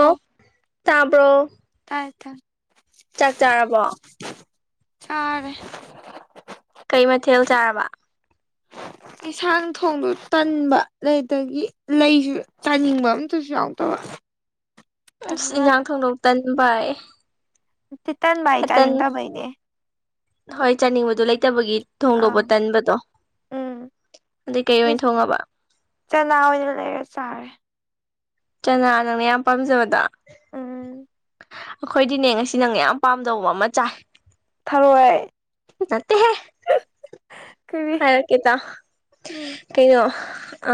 ꯑꯥ ꯇꯥꯕꯔꯣ [unintelligible] ꯆꯥꯛ ꯆꯥꯔꯕꯣ ꯆꯥꯔꯦ ꯀꯩ ꯃꯊꯦꯜ ꯆꯥꯔꯕ ꯌꯦꯟꯁꯥꯡ ꯊꯣꯡꯗꯨ ꯇꯟꯕ ꯑꯗꯒꯤ ꯂꯩꯁꯨ ꯆꯥꯅꯤꯡꯕ ꯑꯝꯇꯁꯨ ꯌꯥꯎꯗꯕ [inaudible] ꯑꯁ ꯑꯗꯨꯅ ꯏꯟꯖꯥꯡ ꯊꯣꯡꯗꯧ ꯇꯟꯕꯥꯏ ꯆꯤꯇꯟ ꯕꯥꯏ ꯇꯟ ꯆꯥꯅꯤꯟ ꯗꯕꯩꯅꯦ ꯍꯣꯏ ꯆꯥꯅꯤꯡꯕꯗꯨ ꯂꯩꯇꯕꯒꯤ ꯊꯣꯡꯗꯣꯛꯄ ꯑꯥ ꯇꯟꯕꯗꯣ ꯎꯝ ꯑꯗꯨꯗꯩ ꯀꯩ ꯑꯣꯏꯅ ꯊꯣꯡꯉꯕ ꯆꯅꯥ ꯑꯣꯏꯅ ꯂꯩꯔꯦ ꯆꯥꯔꯦ ꯆꯅꯥ ꯅꯪꯅ ꯌꯥꯝ ꯄꯥꯝꯖꯕꯗꯣ ꯎꯝ ꯑꯩꯈꯣꯏꯗꯤꯅꯦ ꯉꯁꯤ ꯅꯪ ꯌꯥꯝ ꯄꯥꯝꯗꯧꯕ ꯑꯃ ꯆꯥꯏ ꯊꯔꯣꯏ ꯅꯠꯇꯦꯍꯦ ꯀꯔꯤ ꯍꯥꯏꯔꯛꯀꯦ ꯇꯥꯎ ꯎꯝ ꯀꯔꯤꯅꯣ ꯑ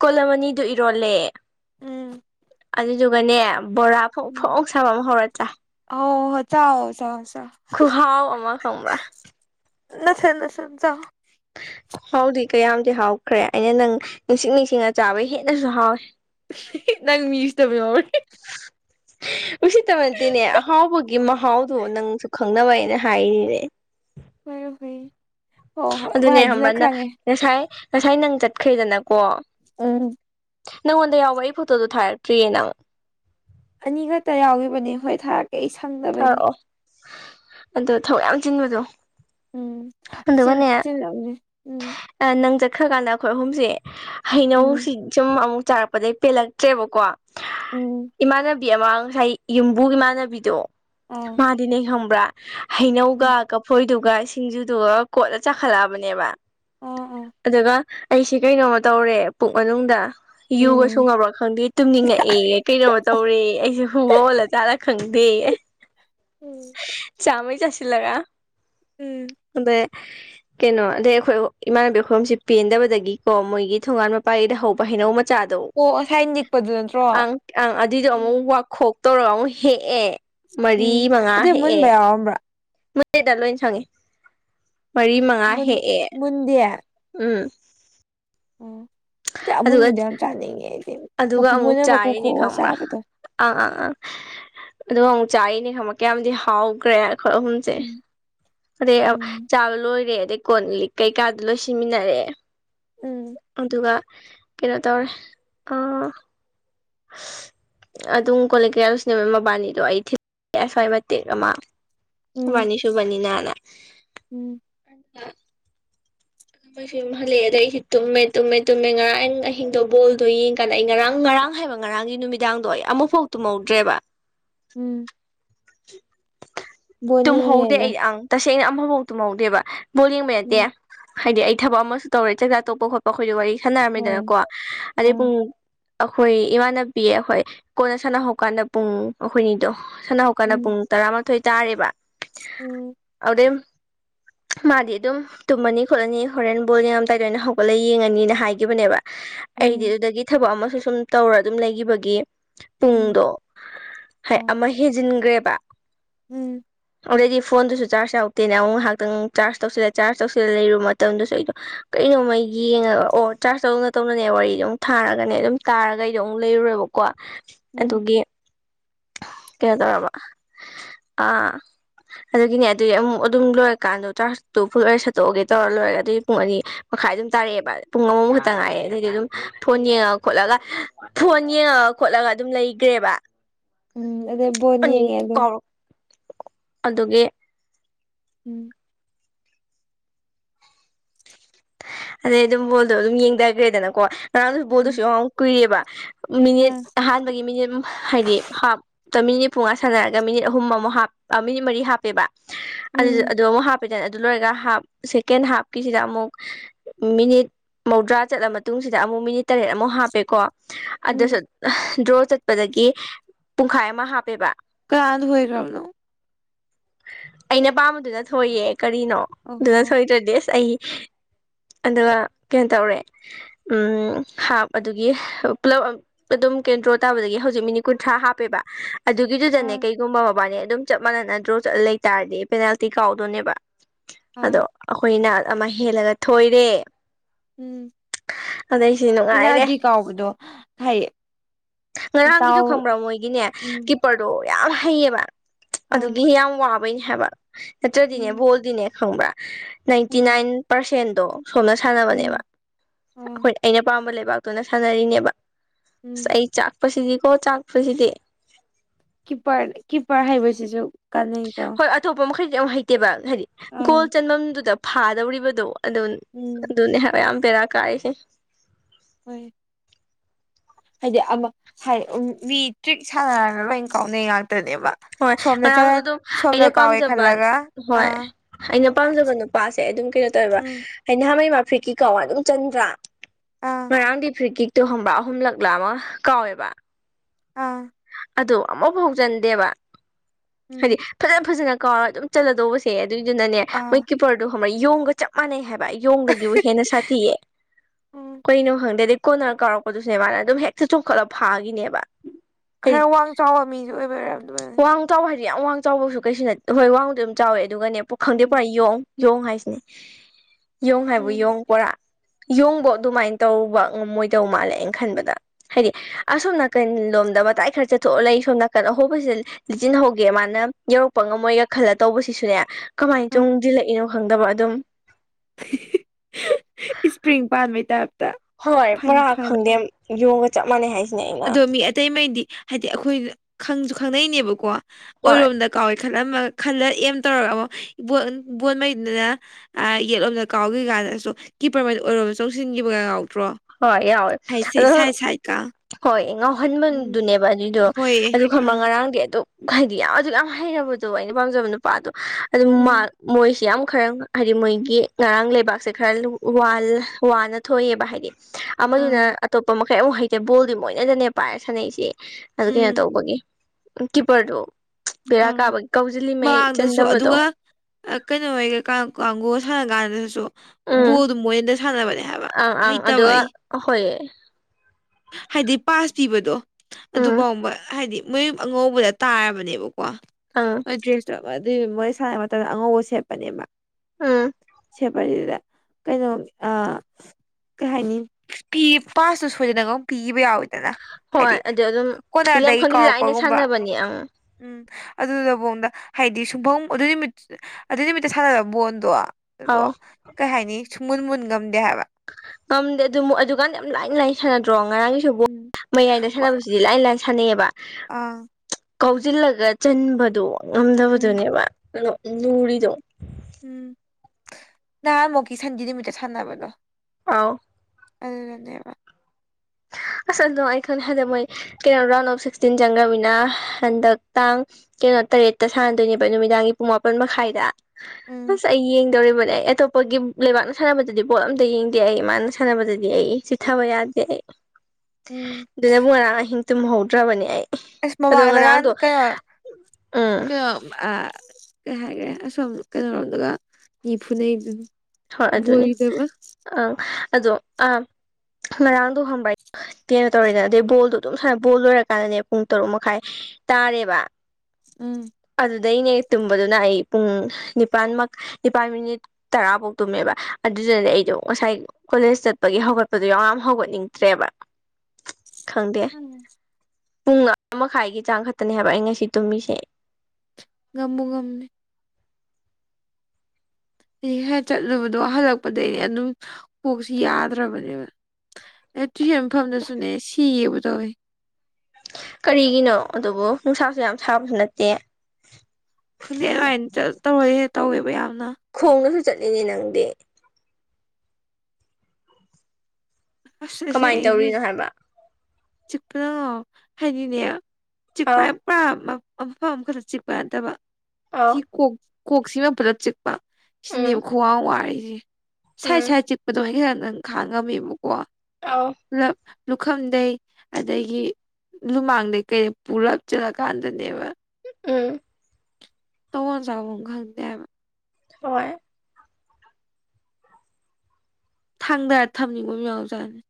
ꯀꯣꯜꯂꯝ ꯃꯅꯤꯗꯨ ꯏꯔꯣꯜꯂꯦ ꯎꯝ ꯑꯗꯨꯗꯨꯒꯅꯦ ꯕꯣꯔꯥ ꯐꯧ ꯐꯣꯡ ꯁꯥꯕ ꯑꯃ ꯍꯧꯔ ꯆꯥꯏ ꯑꯣ ꯆꯥꯑꯣ ꯆꯥꯑꯣ ꯆꯥꯑꯣ ꯈꯨꯍꯥꯎ ꯑꯃ ꯈꯪꯕ꯭ꯔꯥ ꯅꯊꯟ ꯅꯊꯟ ꯆꯥꯑꯣ ꯈꯨꯍꯥꯎꯗꯤ ꯀꯌꯥꯝꯗꯤ ꯍꯥꯎꯈ꯭ꯔꯦ ꯑꯩꯅ ꯅꯪ ꯅꯤꯡꯁꯤꯡ ꯅꯤꯡꯁꯤꯡꯅ ꯆꯥꯕ ꯍꯦꯟꯅꯁꯨ ꯍꯥꯎꯋꯦ ꯅꯪ ꯃꯤ ꯎꯁꯤꯠꯇꯕ ꯍꯧꯔꯦ ꯎꯁꯤꯠꯇꯕꯠꯇꯦꯅꯦ ꯑꯍꯥꯎꯕꯒꯤ ꯃꯍꯥꯎꯗꯣ ꯅꯪꯁꯨ ꯈꯪꯅꯕ ꯍꯥꯏꯅ ꯍꯥꯏꯔꯤꯅꯦ ꯍꯣꯏ ꯍꯣꯏ ꯍꯣꯏ ꯍꯣꯏ ꯑꯗꯨꯅꯦ ꯋꯥꯍꯩꯗꯨꯅ ꯍꯝꯕꯔ ꯈꯪꯉꯦ ꯉꯁꯥꯏ ꯉꯁꯥꯏ ꯅꯪ ꯆꯠꯈ꯭ꯔꯦꯗꯅꯀꯣ ꯎꯝ ꯅꯪꯉꯣꯟꯗ ꯌꯥꯎꯕ ꯑꯩ ꯐꯣꯇꯣꯗꯣ ꯊꯥꯔꯛꯇ꯭ꯔꯤꯌꯦ ꯅꯪ ꯑꯅꯤ ꯈꯛꯇ ꯌꯥꯎꯈꯤꯕꯅꯦ ꯍꯣꯏ ꯊꯥꯔꯛꯀꯦ ꯑꯩ ꯁꯪꯗꯕꯩꯅꯤ ꯊꯥꯔꯛꯑꯣ ꯑꯗꯣ ꯊꯧ ꯌꯥꯝ ꯆꯤꯟꯕꯗꯣ ꯎꯝ ꯆꯤꯡ ꯑꯗꯨꯒꯅꯦ ꯈꯨꯠꯆꯤꯟ ꯑꯝꯅꯦ ꯅꯪ ꯆꯠꯈ꯭ꯔꯀꯥꯟꯗ ꯑꯩꯈꯣꯏ ꯑꯍꯨꯝꯁꯦ ꯎꯝ ꯍꯩꯅꯧꯁꯤ ꯁꯨꯝ ꯑꯃꯨꯛ ꯆꯥꯔꯛꯄꯗꯩ ꯄꯦꯜꯂꯛꯇ꯭ꯔꯦꯕꯀꯣ ꯎꯝ ꯏꯃꯥꯅ ꯕꯤ ꯑꯃꯥꯡ ꯉꯁꯥꯏ ꯌꯨꯝꯕꯨ ꯏꯃꯥꯟꯅꯕꯤꯗꯣ ꯑꯥ ꯃꯥꯗꯤꯅꯦ ꯈꯪꯕ꯭ꯔꯥ ꯎꯝ ꯍꯩꯅꯧꯒ ꯀꯐꯣꯏꯗꯨꯒ ꯁꯤꯡꯖꯨꯗꯨꯒ ꯀꯣꯠꯂ ꯆꯥꯈꯠꯂꯛꯑꯕꯅꯦꯕ ꯑꯥ ꯑꯥ ꯑꯗꯨꯒ ꯑꯩꯁꯦ ꯀꯩꯅꯣꯃ ꯇꯧꯔꯦ ꯄꯨꯛ ꯃꯅꯨꯡꯗ ꯌꯨꯒ ꯎꯝ ꯁꯨꯡꯉꯕ꯭ꯔꯥ ꯈꯪꯗꯦ ꯇꯨꯝꯅꯤꯡꯉꯛꯑꯦꯌꯦ ꯀꯩꯅꯣꯃ ꯇꯧ ꯇꯧꯔꯦ ꯑꯩꯁꯦ ꯍꯨꯒ ꯑꯣꯜꯂ ꯆꯥꯔ ꯈꯪꯗꯦ ꯌꯦ ꯎꯝ ꯆꯤꯜꯂꯒ ꯎꯝ ꯀꯩꯅꯣ ꯦ ꯑꯩꯈꯣꯏ ꯏꯃꯥꯟꯅꯕꯤ ꯑꯩꯈꯣꯏꯝꯁꯤ ꯄꯦꯟꯗꯕꯗꯒꯤꯀꯣ ꯃꯣꯏꯒꯤ ꯊꯣꯡꯉꯥꯟ ꯃꯄꯥꯥꯏꯗ ꯍꯧꯕ ꯍꯩꯅꯧ ꯆꯥꯗꯣ ꯑꯣ ꯉꯁꯥꯏ ꯅꯤꯛꯄꯗꯨ ꯅꯠꯇ꯭ꯔꯣ ꯑꯪ ꯑꯪ ꯑꯗꯨꯏꯗꯣ ꯑꯃꯨꯛ ꯎꯝ ꯋꯥꯈꯣꯛ ꯇꯧꯔꯒ ꯑꯃꯨꯛ ꯍꯦꯛꯑꯦ ꯃꯔꯤ ꯎꯝ ꯃꯉꯥ ꯑꯗꯨꯏ ꯃꯨꯟꯕ ꯍꯦꯛꯑꯦ ꯌꯥꯎꯔꯝꯕ꯭ꯔꯥ ꯃꯦꯗ ꯂꯣꯏ ꯁꯪꯉꯦ ꯃꯔꯤ ꯃꯉꯥ ꯃꯨꯟ ꯍꯦꯛꯑꯦ ꯎꯝ ꯑꯣ ꯑ ꯑꯗꯨꯒ ꯑꯃꯨꯟꯕꯗꯤꯣ ꯌꯥꯝ ꯆꯥꯅꯤꯡꯉꯦ ꯑꯩꯗꯤ ꯃꯄꯨꯝꯣꯏ ꯑꯣꯏꯅ ꯃꯀꯨꯝ ꯈꯣꯛꯑꯣ ꯆꯥꯕꯗꯣ ꯑꯥ ꯑꯥ ꯑ ꯑꯗꯨ ꯆꯥꯔꯤꯅꯦ ꯈꯪꯃꯛꯀꯦ ꯌꯥꯝꯗꯤ ꯍꯥꯎꯈ꯭ꯔꯦ ꯑꯩꯈꯣꯏ ꯑꯍꯨꯝꯁꯦ ꯎꯝ ꯑꯗꯩ ꯎꯝ ꯆꯥꯕ ꯂꯣꯏꯔꯦ ꯑꯗꯩ ꯀꯣꯟ ꯂꯤ ꯀꯩꯀꯥꯗꯨ ꯂꯣꯏ ꯁꯤꯃꯤꯟꯅꯔꯦ ꯎꯝ ꯑꯗꯨꯒ ꯀꯩꯅꯣ ꯇꯧꯔꯦ ꯑ ꯑꯗꯨꯝ ꯀꯣꯂꯛ ꯀꯌꯥ ꯂꯨꯁꯤꯅꯦꯕ ꯃꯕꯥꯅꯤꯗꯣ ꯑꯩ ꯊꯤ ꯑꯁ꯭ꯋꯥꯏ ꯃꯇꯦꯛ ꯑꯃ ꯎꯝ ꯃꯥꯅꯤꯁꯨꯨꯕꯅꯤ ꯅꯅꯥ ꯎꯝ ꯑꯗꯨꯝꯕꯁꯨꯨꯝ ꯍꯂꯛꯑꯦ ꯑꯗ ꯑꯩꯁꯨ ꯇꯨꯝꯃꯦ ꯇꯨꯝꯃꯦ ꯇꯨꯝꯃꯦ ꯉꯔꯥꯡ ꯑꯪ ꯑꯍꯤꯡꯗꯣ ꯕꯣꯗꯣ ꯌꯦꯡꯀꯥꯟꯗ ꯑꯩ ꯉꯔꯥꯡ ꯉꯔꯥꯡ ꯥꯡ ꯍꯥꯏꯕ ꯉꯔꯥꯡꯒꯤ ꯅꯨꯃꯤꯗꯥꯡꯗꯣ ꯑꯩ ꯑꯃꯨꯛꯐꯥꯎ ꯇꯨꯝꯍꯧꯗ꯭ꯔꯦꯕ ꯎꯝ [unintelligible] ꯇꯨꯝꯍꯧꯗꯦ ꯕꯣꯅꯤꯒꯥꯏꯗꯣ ꯑꯩ ꯑꯪ ꯇꯁꯦꯡꯅ ꯑꯃꯐꯥꯎ ꯇꯨꯝꯍꯧꯗꯦꯕ ꯕꯣꯜ ꯌꯦꯡꯕ ꯅꯠꯇꯦ ꯎꯝ ꯍꯥꯏꯗꯤ ꯑꯩ ꯊꯕꯛ ꯑꯃꯁꯨ ꯇꯧꯔꯦ ꯆꯥꯛꯆꯥ ꯇꯣꯛꯄ ꯈꯣꯠꯄ ꯑꯩꯈꯣꯏꯗ ꯋꯥꯔꯤ ꯍꯣꯏ ꯁꯥꯟꯅꯔꯝꯃꯤꯗꯅꯀꯣ ꯑꯗꯩ ꯑꯥ ꯄꯨꯡ ꯑꯩꯈꯣꯏ ꯏꯃꯥꯟꯅꯄꯤꯌꯦ ꯑꯩꯈꯣꯏ ꯀꯣꯟꯅ ꯁꯥꯟꯅꯍꯧ ꯀꯥꯟꯗ ꯄꯨꯡ ꯑꯩꯈꯣꯏꯅꯤꯗꯣ ꯁꯥꯟꯅ ꯍꯧꯀꯥꯟꯗ ꯎꯝ ꯄꯨꯡ ꯇꯔꯥꯃꯥꯊꯣꯏ ꯇꯥꯔꯦꯕ ꯎꯝ ꯑꯗꯨꯗꯩ ꯃꯥꯗꯤ ꯑꯗꯨꯝ ꯇꯨꯝꯃꯅꯤ ꯈꯣꯠꯂꯅꯤ ꯍꯣꯔꯦꯟ ꯕꯣꯜ ꯌꯦ ꯑꯝꯗꯥꯏꯗꯅ ꯍꯧꯒꯠꯂ ꯌꯦꯡꯉꯅꯤꯅ ꯍꯥꯏꯒꯤꯈꯤꯕꯅꯦꯕ ꯑꯩꯗꯤ ꯎꯝ ꯑꯗꯨꯗꯒꯤ ꯊꯕꯛ ꯑꯃꯁꯨ ꯁꯨꯝ ꯇꯧꯔ ꯑꯗꯨꯝ ꯂꯩꯈꯤꯕꯒꯤ ꯎꯝ ꯄꯨꯡꯗꯣ ꯍꯥꯏ ꯑꯥ ꯑꯃ ꯍꯦꯟꯖꯤꯟꯈ꯭ꯔꯦ ꯎꯝ ꯑꯗꯨꯗꯩꯗꯤ ꯐꯣꯟꯗꯨꯁꯨ ꯆꯥꯔꯖ ꯌꯥꯎꯛꯇꯦꯅꯦ ꯑꯃꯨꯛ ꯉꯥꯏꯍꯥꯛꯇꯪ ꯆꯥꯔꯖ ꯇꯧꯁꯤꯜꯂ ꯆꯥꯔꯖ ꯇꯧꯁꯤꯜꯂ ꯂꯩꯔꯨ ꯃꯇꯝꯗꯨꯁꯨ ꯑꯩꯗꯣ ꯀ ꯀꯩꯅꯣꯡꯃ ꯌꯦꯡꯉꯒ ꯑꯣ ꯆꯥꯔꯖ ꯇꯧꯅ ꯇꯧꯅꯅꯦ ꯋꯥꯔꯤꯗ ꯑꯃꯨꯛ ꯊꯥꯔꯒꯅꯦ ꯑꯗꯨꯝ ꯇꯥꯔꯒꯩꯗꯣ ꯑꯃꯨꯛ ꯂꯩꯔꯨꯔꯦꯕꯀꯣ ꯎꯝ ꯑꯗꯨꯒꯤ ꯀꯩꯅꯣ ꯇꯧꯔꯕ ꯑꯥ ꯑꯗꯨꯒꯤꯅꯦ ꯑꯗꯨꯏ ꯑꯃꯨꯛ ꯑꯗꯨꯝ ꯂꯣꯏꯔꯀꯥꯟꯗꯣ ꯇꯥꯔꯨ ꯐꯨꯠꯂꯣꯏꯔ ꯁꯠꯇꯣꯛꯑꯒꯦ ꯇꯧꯔ ꯂꯣꯏꯔꯒꯦ ꯑꯗꯨꯏ ꯄꯨꯡ ꯑꯅꯤ ꯃꯈꯥꯏ ꯑꯗꯨꯝ ꯇꯥꯔꯛꯑꯦꯕ ꯄꯨꯡ ꯑꯃꯃ ꯈꯛꯇꯪ ꯉꯥꯏꯑꯦ ꯑꯗꯨꯗꯩꯗꯤ ꯑꯗꯨꯝ ꯐꯣꯟ ꯌꯦꯡꯉꯒ ꯈꯣꯠꯂꯒ ꯐꯣꯟ ꯌꯦꯡꯉꯒ ꯈꯣꯠꯂꯒ ꯑꯗꯨꯝ ꯂꯩꯈ꯭ꯔꯦꯕ ꯎꯝ ꯑꯗꯦ ꯑꯅꯤ ꯚꯣꯅꯤꯉ ꯑꯗꯨꯣ ꯀꯥꯎꯔꯛ ꯑꯗꯨꯒꯤ ꯎꯝ ꯑꯗꯩ ꯑꯗꯨꯝ ꯕꯣꯜꯗꯣ ꯑꯗꯨꯝ ꯌꯦꯡꯊꯈ꯭ꯔꯦꯗꯅꯀꯣ ꯉꯔꯥꯡꯁꯨ ꯕꯣꯜꯗꯁꯨ ꯎꯝ ꯌꯥꯝ ꯀꯨꯏꯔꯦꯕ ꯑ ꯃꯤꯅꯤꯠ ꯑꯍꯥꯟꯕꯒꯤ ꯃꯤꯅꯤꯠ ꯍꯥꯏꯗꯤ ꯍꯥꯞ ꯃꯤꯅꯤꯠꯅꯤ ꯄꯨꯡꯉꯥ ꯁꯥꯟꯅꯔꯒ ꯃꯤꯅꯤꯠ ꯑꯍꯨꯝ ꯑꯃꯨꯛ ꯍꯥ ꯃꯤꯅꯤꯠ ꯃꯔꯤ ꯍꯥꯞꯄꯦꯕ ꯑꯗꯨ ꯎꯝ ꯑꯗꯨ ꯑꯃꯨꯛ ꯑꯗꯨ ꯂꯣꯏꯔꯒ ꯍꯥꯞ ꯁꯦꯀꯦꯟ ꯍꯥꯞꯀꯤꯁꯤꯗ ꯑꯃꯨꯛ ꯃꯤꯅꯤꯠ ꯃꯧꯗ꯭ꯔꯥ ꯆꯠꯂ ꯃꯇꯨꯡꯁꯤꯗ ꯑꯃꯨꯛ ꯃꯤꯅꯤꯠ ꯇꯔꯦꯠ ꯑꯃꯨꯛ ꯍꯥꯞꯄꯦꯀꯣ ꯎꯝ ꯑꯗꯨꯁꯨ ꯗ꯭ꯔꯣ ꯆꯠꯄꯗꯒꯤ ꯄꯨꯡꯈꯥꯏ ꯑꯃ ꯍꯥꯞꯄꯦꯕ ꯀꯥꯗ ꯍꯣꯏꯔꯅꯣ ꯑꯩꯅ ꯄꯥꯝꯕꯗꯨꯗ ꯊꯣꯏꯌꯦ ꯀꯔꯤꯅꯣ ꯑꯣꯍꯣ ꯑꯗꯨꯗ ꯊꯣꯏꯗ꯭ꯔꯗꯤꯁ ꯑꯩ [unintelligible] ꯑꯗꯨꯒ ꯀꯩꯅꯣ ꯇꯧꯔꯦ ꯎ ꯍꯥꯞ ꯑꯗꯨꯒꯤ ꯄꯨꯂꯞ ꯑꯗꯨꯝ ꯀꯦꯟꯗ꯭ꯔꯣ ꯇꯥꯕꯗꯒꯤ ꯍꯧꯖꯤꯛ ꯃꯤꯅꯤꯠ ꯀꯨꯟꯊ꯭ꯔꯥ ꯍꯥꯞꯄꯦꯕ ꯑꯗꯨꯒꯤꯗꯨꯗꯅꯦ ꯀꯩꯒꯨꯝꯕ ꯕꯕꯥꯅꯦ ꯑꯗꯨꯝ ꯆꯞ ꯃꯥꯟꯅꯅ ꯗ꯭ꯔꯣ ꯆꯠꯂ ꯂꯩꯇꯥꯥꯔꯗꯤ ꯄꯦꯅꯥꯜꯇꯤ ꯀꯥꯎꯗꯣꯏꯅꯦꯕ ꯑꯗꯣ ꯑꯪ ꯑꯩꯈꯣꯏꯅ ꯑꯃ ꯍꯦꯜꯂꯒ ꯊꯣꯏꯔꯦ ꯎꯝ ꯑꯗꯩꯁꯤ ꯅꯨꯡꯉꯥꯏꯔꯦ ꯄꯅꯗꯤ ꯀꯥꯎꯕꯗꯣ ꯈꯥꯏꯌꯦ ꯉꯔꯥꯡꯒꯤꯗꯨ ꯈꯪꯕ꯭ꯔꯥ ꯃꯣꯏꯒꯤꯅꯦ ꯎꯝ ꯀꯤꯄꯔꯗꯣ ꯌꯥꯝ ꯍꯩꯌꯦꯕ ꯑꯥ ꯑꯗꯨꯒꯤ ꯌꯥꯝ ꯋꯥꯕꯩꯅꯦ ꯍꯥꯏꯕ ꯅꯠꯇ꯭ꯔꯗꯤꯅꯦ ꯎꯝ ꯕꯣꯜꯗꯤꯅꯦ ꯈꯪꯕ꯭ꯔꯥ ꯅꯥꯏꯟꯇꯤ ꯎꯝ ꯅꯥꯏꯟ ꯄꯥꯔꯁꯦꯟꯗꯣ ꯁꯣꯝꯅ ꯁꯥꯟꯅꯕꯅꯦꯕ ꯎꯝ ꯑꯥ ꯑꯩꯈꯣꯏ ꯑꯩꯅ ꯄꯥꯝꯕ ꯂꯩꯕꯥꯛꯇꯨꯅ ꯁꯥꯟꯅꯔꯤꯅꯦꯕ ꯑꯁ ꯎꯝ ꯑꯩ ꯆꯥꯛꯄꯁꯤꯗꯤꯀꯣ ꯆꯥꯛꯄꯁꯤꯗꯤ ꯤꯄꯔ ꯀꯤꯄꯔ ꯍꯥꯏꯕꯁꯤꯁꯨ ꯀꯥꯟꯅꯩꯀꯣ ꯍꯣꯏ ꯑꯇꯣꯞꯄ ꯃꯈꯩꯗꯤ ꯌꯥꯝ ꯍꯩꯇꯦꯕ ꯍꯥꯏꯗꯤ ꯑꯥ ꯒꯣꯜ ꯆꯟꯐꯝꯗꯨꯗ ꯐꯥꯗꯧꯔꯤꯕꯗꯣ ꯑꯗꯨ ꯎꯝ ꯑꯗꯨꯅꯦ ꯍꯥꯏ ꯌꯥꯝ ꯇꯦꯔꯥ ꯀꯥꯏꯁꯦ ꯍꯣꯏ ꯍꯥꯏꯗꯤ ꯑꯃ ꯃꯤ ꯇ꯭ꯔꯤꯛ ꯁꯥꯟꯅꯔꯒ ꯂꯣꯏ ꯀꯥꯎꯅꯩ ꯉꯥꯛꯇꯅꯦꯕ ꯍꯣꯏ ꯁꯣꯝꯗ ꯉꯔꯥꯡ ꯆꯠ ꯑꯗꯨꯝ ꯁꯣꯝꯗ ꯑꯩꯅ ꯀꯥꯎꯋꯦ ꯄꯥꯝꯖꯕ ꯈꯜꯂꯒ ꯍꯣꯏ ꯑꯥ ꯑꯩꯅ ꯄꯥꯝꯖꯕꯅ ꯅꯨꯄꯥꯁꯦ ꯑꯗꯨꯝ ꯀꯩꯅꯣ ꯇꯧꯋꯦꯕ ꯎꯝ ꯍꯥꯏ ꯅꯍꯃꯩ ꯐ꯭ꯔꯤꯀꯤ ꯀꯧꯋꯥ ꯑꯗꯨꯝ ꯆꯟꯗ꯭ꯔꯥ ꯑꯥ ꯉꯔꯥꯡꯗꯤ ꯐꯔꯤꯀꯤ ꯇꯤꯍꯣꯡꯕ ꯑꯍꯨꯝꯂꯛꯂ ꯑꯃ ꯀꯥꯎꯋꯦꯕ ꯑ ꯑꯗ ꯑꯃꯐꯥꯎ ꯆꯟꯗꯦꯕ ꯎꯝ ꯍꯥꯏꯗꯤ ꯐꯖ ꯐꯖꯅ ꯀꯧꯔ ꯑꯗꯨꯝ ꯆꯜꯂꯗꯧꯕꯁꯦ ꯑꯗꯨꯏꯗꯨꯅꯅꯦ ꯃꯣꯏ ꯑꯥ ꯀꯤꯞꯄꯔꯗꯨꯣ ꯍꯧꯔꯛ ꯌꯣꯡꯒ ꯆꯞ ꯃꯥꯟꯅꯩ ꯍꯥꯏꯕ ꯌꯣꯡꯒꯒꯤꯕꯨ ꯍꯦꯟꯅ ꯁꯥꯊꯤꯌꯦ ꯎꯝ ꯀꯩꯅꯣ ꯈꯪꯗꯦꯗꯤ ꯀꯣꯟꯅꯔ ꯀꯥꯎꯔꯛꯄꯗꯨꯁꯨꯅꯦ ꯃꯥꯅ ꯑꯗꯨꯝ ꯍꯦꯛꯇ ꯆꯣꯡꯈꯠꯂ ꯐꯥꯈꯤꯅꯦꯕ ꯍꯥꯏꯗꯤ ꯈꯔ ꯋꯥꯡ ꯆꯥꯎꯕ ꯃꯤꯁꯨ ꯑꯣꯏꯕꯔꯝꯗꯕꯅꯤ ꯑꯗꯨ ꯌꯥꯝ ꯋꯥꯡ ꯆꯥꯎꯕꯁꯨ ꯀꯩꯁꯨꯅ ꯍꯣꯏ ꯋꯥꯡꯗꯣ ꯑꯗꯨꯝ ꯆꯥꯎꯋꯦ ꯑꯗꯨꯒꯅꯦ ꯄ ꯈꯪꯗꯦ ꯎꯝ ꯄꯨꯔꯥ ꯌꯦꯡꯉ ꯌꯣꯡ ꯍꯥꯏꯁꯤꯅꯦ ꯌꯣꯡ ꯍꯥꯏꯕꯨ ꯎꯝ ꯌꯣꯡ ꯄꯨꯔꯥ ꯌꯣꯡꯕ ꯑꯗꯨꯃꯥꯏꯅ ꯇꯧꯕ ꯉꯝꯃꯣꯏꯗꯧ ꯃꯥꯜꯂꯦꯅ ꯈꯟꯕꯗ ꯍꯥꯏꯗꯤ ꯑꯁꯣꯝ ꯅꯥ ꯀꯩꯅ ꯂꯣꯝ ꯗ ꯃꯇꯥꯏ ꯈꯔ ꯆꯠꯊꯣꯛꯑ ꯂꯩ ꯁꯣꯝ ꯅꯥꯀꯟ ꯑꯍꯧꯕꯁꯤꯗ ꯂꯤꯆꯤꯟꯍꯧꯒꯦ ꯃꯥꯅ ꯌꯧꯔꯛꯄ ꯉꯝꯃꯣꯏꯒ ꯈꯜꯂ ꯇꯧꯕꯁꯤ ꯀ ꯁꯨꯔꯦ ꯀꯃꯥꯏꯅ ꯆꯣꯡ ꯎꯝ ꯊꯜꯂꯛꯏꯅꯣ ꯈꯪꯗꯕ ꯑꯗꯨꯝ ꯏꯁꯄ꯭ꯔꯤꯡ ꯄꯥꯟ ꯇ ꯍꯣꯏ ꯄꯨꯔꯥ ꯈꯪꯗꯦ ꯌꯣꯒ ꯆꯞ ꯃꯥꯟꯅꯩ ꯍꯥꯏꯁꯦ ꯑꯗꯣ ꯃꯤ ꯑꯇꯩꯉꯩꯗꯤ ꯍꯥꯏꯗꯤ ꯑꯩꯈꯣꯏꯁꯨ ꯈꯪꯅꯩꯅꯦꯕꯀꯣ ꯍꯣꯏ ꯑꯣꯏꯔꯣꯝꯗ ꯀꯥꯎꯋꯦ ꯜꯂꯝꯃ ꯈꯜꯂ ꯑꯦꯝ ꯇꯧꯔꯒ ꯑꯃꯨꯛ ꯕꯣꯜꯉꯩꯗꯨꯅ ꯌꯦꯠꯂꯣꯝꯗ ꯀꯥꯎꯒ ꯀꯥꯏ ꯀꯤꯄꯔꯃ ꯑꯣꯏꯔꯣꯝ ꯆꯧꯁꯤꯟꯈꯤꯕꯒ ꯌꯥꯎꯗ꯭ꯔꯣ ꯍꯣꯏ ꯌꯥꯎꯋꯦ ꯍꯥꯏꯁꯦ ꯑꯗꯣ ꯁꯨꯝ ꯁꯥꯏꯠ ꯁꯥꯏꯠꯀ ꯍꯣꯏ ꯎꯝ ꯉꯥꯎꯍꯟꯕꯗꯨꯅꯦꯕ ꯑꯗꯨꯏꯗꯣ ꯍꯣꯏꯌꯦ ꯑꯗꯨ ꯈꯔꯕ ꯑꯥ ꯉꯔꯥꯡꯗꯤ ꯑꯗꯨ ꯍꯥꯏꯗꯤ ꯌꯥꯝ ꯑꯗꯨꯛ ꯌꯥꯝ ꯍꯩꯔꯕꯗꯣ ꯑꯩꯅ ꯄꯥꯝꯖꯕ ꯅꯨꯄꯥꯗꯣ ꯑꯗꯨ ꯎꯝ ꯃꯣꯏꯁ ꯌꯥꯝ ꯈꯔ ꯍꯥꯏꯗꯤ ꯃꯣꯏꯒꯤ ꯉꯔꯥꯡ ꯂꯩꯕꯥꯛꯁꯦ ꯈꯔ ꯋꯥꯅ ꯊꯣꯛꯑꯕ ꯍꯥꯏꯗꯤ ꯑꯃꯗꯨꯅ ꯑꯥ ꯑꯇꯣꯞꯄ ꯃꯈꯩ ꯑꯃꯨꯛ ꯍꯩꯇꯦ ꯕꯣꯜꯗꯤ ꯃꯣꯏꯅꯗꯅꯦ ꯄꯥꯏꯔ ꯁꯥꯟꯅꯩꯁꯦ ꯑꯗꯨ ꯀꯩꯅꯣ ꯎꯝ ꯇꯧꯕꯒꯤ ꯀꯤꯞꯄꯔꯗꯨ ꯕꯦꯔꯥ ꯑꯥ ꯀꯥꯕꯒꯤ ꯀꯧ ꯃꯃꯥꯡꯗꯁꯨ ꯑꯗꯨꯒ ꯀꯩꯅꯣ ꯑꯣꯏ ꯀꯥꯡꯒ ꯁꯥꯟꯅ ꯀꯥꯟꯗꯁꯨ ꯎꯝ ꯣꯗꯨ ꯃꯣꯗ ꯁꯥꯟꯅꯕꯅꯦ ꯍꯥꯏꯕ ꯑꯪ ꯑꯪ ꯑꯗꯨꯒ ꯍꯩꯇꯥꯕꯏ ꯍꯣꯏ ꯍꯥꯏꯗꯤ ꯄꯥꯁ ꯄꯤꯕꯗꯣ ꯎꯝ ꯑꯗꯨꯐꯥꯎꯕ ꯍꯥꯏꯗꯤ ꯃꯣꯏ ꯑꯉꯧꯕꯗ ꯇꯥꯔꯕꯅꯦꯕ ꯑꯪ ꯍꯣꯏ ꯗ꯭ꯔꯦꯁꯇꯣ ꯑꯗꯨꯗꯤ ꯃꯣꯏ ꯁꯥꯟꯅꯕ ꯃꯇꯝꯗ ꯑꯉꯧꯕ ꯁꯦꯠꯄꯅꯦꯕ ꯎꯝ ꯆꯄꯔꯗ ꯀꯩꯅꯣ ꯑ ꯀꯩ ꯍꯥꯏꯅꯤ ꯄꯤ ꯄꯥꯁꯇꯨ ꯁꯣꯏꯗꯅꯒ ꯑꯃꯨꯛ ꯄꯤꯕ ꯌꯥꯎꯋꯗꯤ ꯅ ꯍꯣꯏ ꯍꯥꯏꯗꯤ ꯑꯗꯨ ꯑꯗꯨꯝ ꯂꯝ ꯀꯣꯅꯔꯗꯒꯤ ꯈꯪꯗꯤ ꯂꯥꯏꯅ ꯀꯥꯎꯔꯛꯄꯒꯨꯝꯕ ꯁꯥꯟꯅꯕꯅꯦ ꯑꯪ ꯎ ꯑꯗꯨꯗ ꯐꯣꯡꯗ ꯍꯥꯏꯗꯤ ꯁꯨꯡꯐꯝ ꯑꯗꯨ ꯅꯨꯃꯤꯠ ꯑꯗꯨ ꯅꯨꯃꯤꯠꯇ ꯁꯥꯟꯅꯔꯕ ꯕꯣꯟꯗꯣ ꯑꯗꯣ ꯑꯧ ꯀꯩ ꯍꯥꯏꯅꯤ ꯁꯨꯡ ꯃꯨꯟ ꯃꯨꯟ ꯉꯝꯗꯦ ꯍꯥꯏꯕ ꯉꯝꯗꯦ ꯑꯗꯨꯛ ꯑꯗꯨꯀꯥꯟꯗ ꯌꯥꯝ ꯂꯥꯏꯅ ꯂꯥꯏꯅ ꯁꯥꯟꯅꯗ꯭ꯔꯣ ꯉꯔꯥꯡꯒꯤꯁꯨ ꯎꯝ ꯃꯌꯥꯏꯗ ꯁꯥꯟꯅꯕꯁꯤꯗꯤ ꯂꯥꯏꯅ ꯂꯥꯏꯅ ꯁꯥꯟꯅꯩꯑꯕ ꯑꯥ ꯀꯥꯎꯁꯤꯜꯂꯒ ꯆꯟꯕꯗꯣ ꯎꯝ ꯉꯝꯗꯕꯗꯨꯅꯦꯕ ꯑ ꯂꯨꯔꯤꯗꯣ ꯎꯝ ꯂꯃꯨꯒꯤ ꯁꯟꯗꯤ ꯅꯨꯃꯤꯠꯇ ꯊꯥꯟꯕꯗꯣ ꯑꯥꯎ ꯑꯗꯨꯗ ꯑꯗꯨꯦꯕ ꯑꯁꯗꯣ ꯑꯩꯈꯪꯅ ꯍꯟꯗ ꯃꯣꯏ ꯀꯩꯅꯣ ꯔꯥꯎꯟ ꯑꯣꯐ ꯁꯤꯛꯁꯇꯤꯟ ꯆꯪꯈ꯭ꯔꯃꯤꯅ ꯍꯟꯗꯛꯥꯡ ꯀꯩꯅꯣ ꯇꯔꯦꯠꯇ ꯁꯥꯟꯅꯗꯣꯏꯅꯦꯕ ꯅꯨꯃꯤꯗꯥꯡꯒꯤ ꯄꯨꯡ ꯃꯥꯄꯟ ꯃꯈꯥꯏꯗ ꯎꯝ ꯑꯁ ꯑꯩ ꯌꯦꯡꯗꯧꯔꯤꯕ ꯑꯗꯩ ꯑꯩ ꯑꯇꯣꯞꯄꯒꯤ ꯂꯩꯕꯥꯛꯅ ꯁꯥꯟꯅꯕꯗꯗꯤ ꯄꯣꯠ ꯑꯝꯇ ꯌꯦꯡꯗꯦ ꯑꯩ ꯃꯥꯅ ꯁꯥꯟꯅꯕꯗꯗꯤ ꯑꯩ ꯆꯤꯊꯕ ꯌꯥꯗꯦ ꯑꯩ ꯎꯝ ꯑꯗꯨꯗꯕꯨꯛ ꯉꯔꯥꯡ ꯑꯍꯤꯡ ꯇꯨꯝꯍꯧꯗ꯭ꯔꯕꯅꯦ ꯑꯩ ꯑꯦꯁꯃ ꯑꯗꯣ ꯃꯥꯥꯡꯗꯒꯥꯟ ꯉꯔꯥꯡꯗꯣ ꯀ ꯎꯝ ꯀ ꯑ ꯀꯩ ꯍꯥꯏꯈ꯭ꯔꯦ ꯑꯁꯣꯝ ꯀꯩꯅꯣꯔꯣꯝꯗꯨꯒ ꯃꯤ ꯐꯨꯅꯩꯗꯨ ꯍꯣꯏ ꯑꯗꯨꯅꯤ ꯑꯪ ꯑꯗꯣ ꯑ ꯉꯥꯡꯗꯣ ꯍꯪꯕꯥꯏ ꯀꯩꯅꯣ ꯇꯧꯔꯤꯦꯗꯅ ꯑꯗꯨꯗꯩ ꯕꯣꯜꯗꯣ ꯑꯗꯨꯝ ꯁꯅ ꯕꯣꯜ ꯂꯔꯀꯥꯟꯗꯅꯦ ꯄꯨꯡ ꯇꯔꯨꯛ ꯃꯈꯥꯏ ꯇꯥꯔꯦꯕ ꯎꯝ ꯑꯗꯨꯗꯩꯅꯦ ꯇꯨꯝꯕꯗꯨꯅ ꯑꯩ ꯄꯨꯡ ꯅꯤꯄꯥꯟꯃꯛ ꯅꯤꯄꯥꯜ ꯃꯤꯅꯤꯠ ꯇꯔꯥꯐꯧ ꯇꯨꯝꯃꯦꯕ ꯑꯗꯨꯗꯅꯦ ꯑꯩꯗꯣ ꯉꯁꯥꯏ ꯀꯣꯂꯦꯖ ꯆꯠꯄꯒꯤ ꯍꯧꯒꯠꯄꯗꯣ ꯌꯥꯝ ꯌꯥꯝ ꯍꯧꯒꯠꯅꯤꯡꯗ꯭ꯔꯦꯕ ꯈꯪꯗꯦ ꯎꯝ ꯄꯨꯡ ꯑꯃ ꯃꯈꯥꯏꯒꯤ ꯆꯥꯡ ꯈꯛꯇꯅꯦ ꯍꯥꯏꯕ ꯑꯩ ꯉꯁꯤ ꯇꯨꯝꯃꯤꯁꯦ ꯉꯝꯕꯨ ꯉꯝꯅꯦ ꯍꯦꯛ ꯆꯠꯂꯨꯕꯗꯣ ꯍꯜꯂꯛꯄꯗꯒꯤꯩꯗꯤ ꯑꯗꯨꯝ ꯀꯣꯛꯁꯤ ꯌꯥꯗ꯭ꯔꯕꯅꯦꯕ ꯑꯦ ꯇꯨꯏꯁꯟ ꯃꯐꯝꯗꯁꯨꯅꯦ ꯁꯤꯌꯦꯕ ꯇꯧꯋꯦ ꯀꯔꯤꯒꯤꯅꯣ ꯑꯗꯨꯕꯨ ꯅꯨꯡꯁꯥꯁꯨ ꯌꯥꯝ ꯁꯥꯕꯁꯨ ꯅꯠꯇꯦ ꯈꯪꯗꯦ ꯑꯗꯨꯃꯥꯏꯅ ꯇꯧꯔꯗꯤꯦ ꯇꯧꯋꯦꯕ ꯌꯥꯝ ꯈꯣꯡꯅꯁꯨ ꯆꯠꯂꯤꯅꯦ ꯅꯪꯗꯤ ꯀꯃꯥꯏꯅ ꯇꯧꯔꯤꯅꯣ ꯍꯥꯏꯕ ꯆꯤꯛꯄꯗꯣ ꯍꯥꯏꯅꯤꯅꯦ ꯆꯤꯛꯄ ꯑꯥꯎ ꯄꯨꯥ ꯃꯐꯝ ꯑꯃꯈꯛꯇ ꯆꯤꯛꯄ ꯌꯥꯠꯇꯕ ꯑꯥꯎ ꯁꯤ ꯀꯣꯛ ꯀꯣꯛꯁꯤꯅ ꯄꯨꯂꯤ ꯎꯝ ꯁꯤꯅꯦꯕ ꯈ꯭ꯋꯥꯡ ꯋꯥꯔꯤꯁꯦ ꯁꯥꯏꯠ ꯎꯝ ꯁꯥꯏꯠ ꯆꯤꯛꯄꯗꯣ ꯑꯩ ꯈ ꯅꯪ ꯈꯥꯡꯉꯝꯃꯦꯕ ꯀ ꯑꯥꯎ ꯄꯨ ꯂꯨꯈꯝꯗꯩ ꯑꯗꯒꯤ ꯂꯨꯃꯥꯡꯗꯒꯤꯩ ꯀꯩ ꯄꯨꯔꯞ ꯆꯠꯂꯀꯥꯟꯗꯅꯦꯕ ꯎꯝ ꯇꯉꯣꯟ ꯆꯥꯐꯝ ꯈꯪꯗꯦꯕ ꯍꯣꯏ ꯊꯥꯡꯗꯥ ꯊꯝꯅꯤꯡꯕꯣ ꯃꯤꯃꯥꯡ ꯑꯣꯖꯥꯅꯤ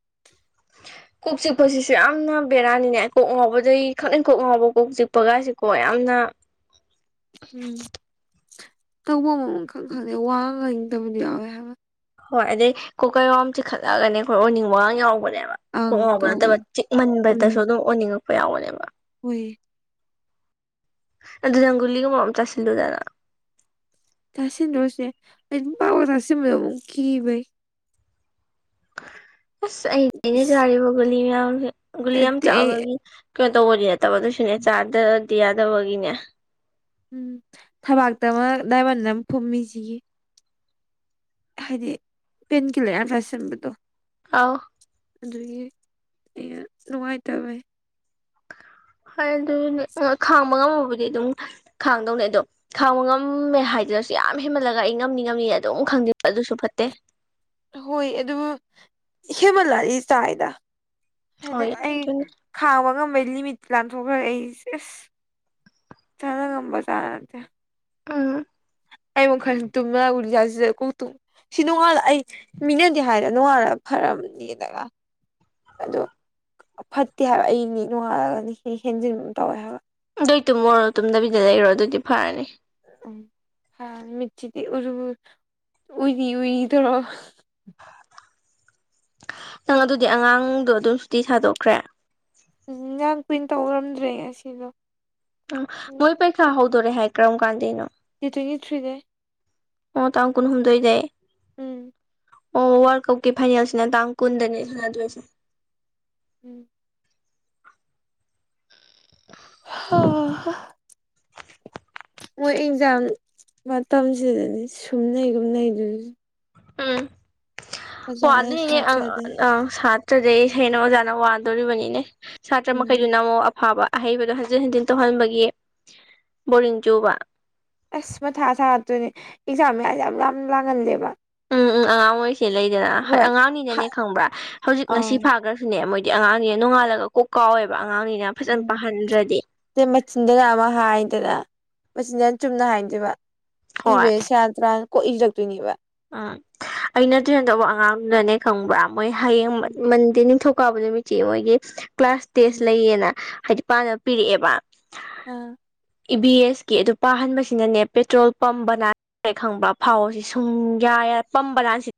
[inaudible] ꯀꯣꯛ ꯆꯤꯛꯄꯁꯤꯁꯨ ꯌꯥꯝꯅ ꯕꯦꯔꯥꯅꯤꯅꯦ ꯀꯣꯛ ꯉꯥꯎꯕꯗꯒꯤꯩ ꯈꯗꯪ ꯀꯣꯛ ꯉꯥꯎꯕ ꯀꯣꯛ ꯆꯤꯛꯄꯒꯥꯏꯁꯤꯀꯣ ꯌꯥꯝꯅ ꯑ ꯎꯝ ꯇꯧꯕ ꯃꯃ ꯈꯛ ꯈꯪꯗꯦ ꯋꯥ ꯏꯪꯗꯕꯗꯨ ꯌꯥꯎꯋꯦ ꯍꯥꯏꯕ ꯍꯣꯏ ꯑꯗꯩ ꯀꯣ ꯀꯩꯔꯣꯝ ꯆꯤꯈꯠꯂꯛꯒꯅꯦ ꯑꯩꯣꯏꯔ ꯑꯣꯏꯅꯤꯡꯕꯥꯡ ꯌꯥꯎꯕ ꯅꯦꯕ ꯍꯣꯛ ꯑꯪ ꯉꯥꯎꯕ ꯅꯠꯇꯕ ꯇꯧꯕꯅꯦ ꯆꯤꯛꯃꯟꯕꯗꯁꯨ ꯑꯗꯨꯝ ꯑꯣꯟꯅꯤꯡꯉꯛꯄ ꯌꯥꯎꯕꯅꯦꯕ ꯍꯨꯏ ꯑꯗꯨ ꯪꯒꯨꯂꯤꯒꯨꯝꯕ ꯑꯃ ꯆꯥꯁꯤꯜꯂꯨꯗꯅ ꯇꯁꯤꯗꯣꯁꯦ ꯑꯩꯝ ꯄꯥꯎ ꯊꯁꯤꯦꯕ ꯑꯃ ꯀꯤ ꯩ ꯑꯁ ꯑꯩꯅ ꯑꯩꯅ ꯏꯁ ꯆꯥꯔꯤꯕ ꯒꯨꯂꯤ ꯃꯌꯥꯝ ꯒꯨꯂꯤ ꯌꯥꯝ ꯅꯠꯇꯦ ꯑꯩ ꯆꯥꯕꯒꯤ ꯀꯩꯅꯣ ꯇꯧꯕꯅꯦ ꯐꯠꯇꯕꯗꯨꯁꯨꯅꯦ ꯆꯥꯗꯗꯤ ꯌꯥꯗꯕꯒꯤꯅꯦ ꯎꯝ ꯊꯕꯥꯛꯇ ꯑꯃ ꯗꯥꯏꯃꯟꯗ ꯑꯃ ꯐꯨꯝꯃꯤꯁꯤꯒꯤ ꯍꯥꯏꯗꯤ ꯄꯦꯟ ꯀꯂꯔ ꯌꯥꯝ ꯆꯥꯏꯁꯟꯕꯗꯣ ꯑꯥꯎ ꯑꯗꯨꯗꯒꯤ ꯅꯨꯡꯉꯥꯏꯇꯕꯦ ꯍꯣꯏ ꯑꯗꯨꯅꯦ ꯈꯥꯡꯕ ꯉꯝꯃꯕꯨꯗꯤ ꯑꯗꯨꯝ ꯈꯥꯡꯗꯧꯅꯦ ꯑꯗꯣ ꯈꯥꯡꯕ ꯉꯝꯃꯦ ꯍꯥꯏꯗꯤ ꯁꯤꯗꯁꯨ ꯌꯥꯝ ꯍꯦꯟꯃꯜꯂꯒ ꯑꯩ ꯉꯝꯅꯤ ꯉꯝꯅꯤ ꯑꯗꯨꯝ ꯈꯪꯗꯦ ꯑꯗꯨꯁꯨ ꯐꯠꯇꯦ ꯍꯣꯏ ꯑꯗꯨ ꯍꯦꯃꯜꯂꯂꯤ ꯆꯥꯏꯗ ꯍꯥꯏꯗꯤ ꯍꯣꯏ ꯑꯩ ꯑꯗꯨꯅꯤ ꯈꯥꯕꯒꯝꯕꯩ ꯂꯤꯃꯤ ꯂꯥꯟꯊꯣꯛꯈ꯭ꯔꯦ ꯑꯩꯁꯦ ꯑꯁ ꯆꯥꯅ ꯉꯝꯕ ꯆꯥꯅꯗꯦ ꯑꯥ ꯑꯩ ꯃꯈ ꯃꯈꯜ ꯇꯨꯝꯂꯒ ꯎꯒꯖꯥꯁꯤꯗ ꯀ ꯇꯨꯝ ꯁꯤ ꯅꯣꯡꯉꯥꯜꯂ ꯑꯩ ꯃꯤꯅꯗꯤ ꯍꯥꯏꯔ ꯅꯣꯡꯉꯥꯜꯂ ꯈꯔꯗꯒ ꯑꯗꯨ ꯐꯠꯇꯦ ꯍꯥꯏꯕ ꯑꯩꯅꯤ ꯅꯨꯡꯉꯥꯜꯂꯒꯅꯤ ꯍꯦꯟꯖꯤꯟ ꯇꯧꯋꯦ ꯍꯥꯏꯕ ꯑꯗꯨꯏ ꯇꯨꯝꯃꯣꯔꯣ ꯇꯨꯝꯗꯕꯤꯗ ꯂꯩꯔꯣ ꯑꯗꯨꯗꯤ ꯐꯔꯅꯤ ꯎ ꯃꯤꯔꯆꯤꯗꯤ ꯎꯔ ꯎꯔꯤ ꯎꯏ ꯊꯔꯣ ꯅꯪ ꯑꯗꯨꯗꯤ ꯑꯉꯥꯡꯗꯣ ꯑꯗꯨꯝ ꯁꯨꯇꯤ ꯁꯥꯗꯣꯛꯈ꯭ꯔꯦ ꯎ ꯉꯥꯡ ꯀꯨꯏꯅ ꯇꯧꯔꯝꯗ꯭ꯔꯦ ꯑꯁꯤꯗꯣ ꯑ ꯃꯣꯏ ꯄꯩꯈꯥ ꯍꯧꯗꯣꯔꯦ ꯍꯥꯏ ꯀꯔꯝ ꯀꯥꯟꯗꯩꯅꯣ ꯇ ꯇ꯭ꯋꯦꯟꯇꯤ ꯊ꯭ꯔꯤꯅꯦ ꯑꯣ ꯇ ꯀꯨ ꯍꯨꯝꯗꯣꯏꯗꯦ ꯎꯝ ꯑꯣ ꯋꯥꯔꯜꯗ ꯀꯞꯀꯤ ꯐꯥꯏꯅꯦꯜꯁꯤꯅ ꯇꯥꯡ ꯀꯨꯟꯗꯅꯦ ꯁꯥꯟꯅꯗꯣꯏꯁꯦ ꯎꯝ ꯑ ꯃꯣꯏ ꯑꯦꯛꯖꯥꯝ ꯃꯇꯝꯁꯤꯗꯗꯤ ꯁꯨꯝꯅꯩꯒꯨꯝꯅꯩ ꯑꯗꯨ ꯎꯝ ꯍꯣ ꯑꯗꯨꯒꯤꯅꯦ ꯑ ꯁꯥꯇ꯭ꯔꯗꯩ ꯑꯪ ꯁꯥꯠ ꯁꯥ꯭ꯔꯗꯩ ꯁꯦꯡꯩꯅ ꯑꯣꯖꯥꯅ ꯋꯥꯗꯣꯔꯤꯕꯅꯤꯅꯦ ꯁꯥꯇ꯭ꯔ ꯎꯝ ꯃꯈꯩꯗꯨꯅ ꯑꯃꯨꯛ ꯑꯐꯕ ꯑꯍꯩꯕꯗꯣ ꯍꯟꯖꯤꯟ ꯍꯟꯖꯤꯟ ꯇꯧꯍꯟꯕꯒꯤ ꯕꯣꯔꯤꯡ ꯆꯨꯕ ꯑꯁ ꯃꯊꯥ ꯁꯥꯠꯇꯣꯏꯅꯦ ꯑꯦꯛꯖꯥꯝ ꯃꯁꯦ ꯌꯥꯝ ꯌꯥꯝ ꯂꯥꯡꯍꯜꯂꯦꯕ ꯎꯝ ꯎꯝ ꯑꯉꯥꯡ ꯑꯣꯏꯔꯤꯁꯦ ꯂꯩꯗꯅ ꯍꯥ ꯑꯉꯥꯡꯅꯤꯅꯅꯦ ꯈꯪꯕ꯭ꯔꯥ ꯍꯧꯖꯤꯛ ꯉꯁꯤ ꯑꯪ ꯐꯥꯈ꯭ꯔꯁꯨꯅꯦ ꯃꯣꯏ ꯗꯤ ꯑꯉꯥꯡꯁꯦ ꯅꯣꯡꯉꯥꯜꯂꯒ ꯀꯣꯛ ꯀꯥꯎꯋꯦꯕ ꯑꯉꯥꯡꯅꯤꯅ ꯎ ꯐꯖꯅ ꯄꯥꯍꯟꯗ꯭ꯔꯗꯤ ꯁꯤꯦ ꯃꯆꯤꯟꯗꯅ ꯑꯃ ꯍꯥꯏꯗꯅ ꯃꯁꯤ ꯅꯅ ꯆꯨꯝꯅ ꯍꯥꯏꯅꯗꯦꯕ ꯏꯕ ꯁꯌꯥ ꯇꯔꯥꯅ ꯀꯣꯛ ꯏꯔꯛꯇꯣꯏꯅꯦꯕ ꯎꯝ ꯑꯩꯅ ꯇ꯭ꯔꯦꯟ ꯇꯧꯕ ꯑꯉꯥꯡꯗꯨꯅꯅꯦ ꯈꯪꯕ꯭ꯔꯥ ꯃꯣꯏ ꯍꯌꯦꯡ ꯃꯟꯗꯤ ꯅꯤꯡꯊ ꯀꯥꯎꯕ ꯅꯨꯃꯤꯠꯁꯤ ꯃꯣꯏꯒꯤ ꯀ꯭ꯂꯥꯁ ꯇꯦꯁ ꯎꯝ ꯂꯩꯌꯦꯅ ꯍꯥꯏꯗꯤ ꯄꯥꯅꯕ ꯄꯤꯔꯛꯑꯦꯕ ꯑꯥ ꯏ ꯚꯤ ꯑꯦꯁ ꯀꯤ ꯑꯗꯨ ꯄꯥꯍꯟꯕꯁꯤꯅꯅꯦ ꯄꯦꯇ꯭ꯔꯣꯜ ꯄꯝ ꯕꯅ ꯈꯪꯕ ꯐꯥꯎ ꯑꯁꯤ ꯁꯨꯡ ꯌꯥ ꯌꯥꯔ ꯄꯝꯕ ꯂꯥꯟꯁꯤ